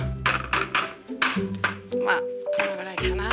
まあこのぐらいかな。